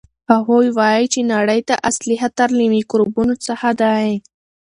هغوی وایي چې نړۍ ته اصلي خطر له میکروبونو څخه دی.